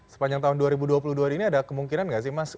sepanjang tahun dua ribu dua puluh dua ini ada kemungkinan nggak sih mas